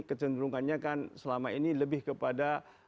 kecenderungannya kan selama ini lebih kepada